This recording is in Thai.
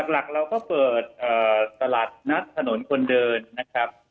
หลักเราก็เปิดตลาดนัดถนนคนเดินนะครับ